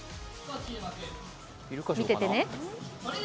見ててね。